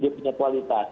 dia punya kualitas